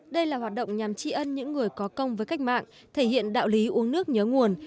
đây là hoạt động nhằm tri ân những người có công với cách mạng thể hiện đạo lý uống nước nhớ nguồn